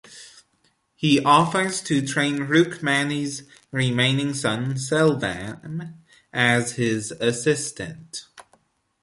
He offers to train Rukmani's remaining son, Selvam, as his assistant.